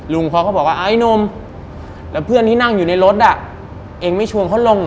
เขาก็บอกว่าไอ้หนุ่มแล้วเพื่อนที่นั่งอยู่ในรถอ่ะเองไม่ชวนเขาลง